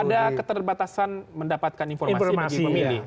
ada keterbatasan mendapatkan informasi bagi pemilih